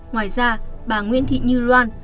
ngoài ra bà nguyễn thị như loan